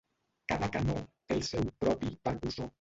Cada canó té el seu propi percussor.